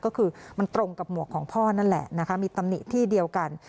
ก็คือมันตรงกับหมวกของพ่อนั่นแหละนะคะมีตำหนิที่เดียวกัน